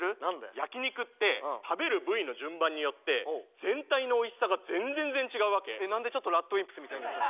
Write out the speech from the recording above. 焼き肉って食べる部位の順番によって全体のおいしさがぜんぜんぜん違うわけ何でちょっとＲＡＤＷＩＭＰＳみたいになったの？